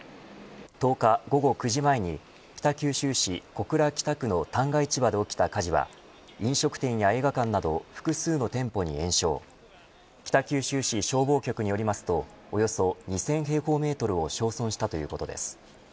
１０日、午後９時前に北九州市小倉北区の旦過市場で起きた火事は飲食店や映画館など複数の店舗に延焼北九州市消防局によりますとおよそ２０００平方メートルを焼損したということです。